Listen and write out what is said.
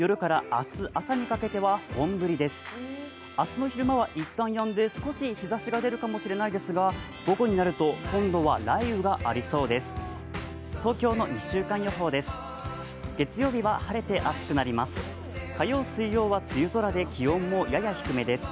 明日の昼間はいったんやんで少し日ざしが出るかもしれませんが午後になると、今度は雷雨がありそうです。